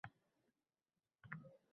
Majnunning kunlari tushdi boshimga.